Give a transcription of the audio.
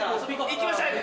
行きましょう。